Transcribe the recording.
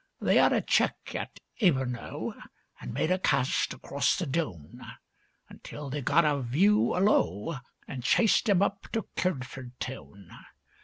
They 'ad a check at Ebernoe An' made a cast across the Down, Until they got a view 'ullo An' chased 'im up to Kirdford town.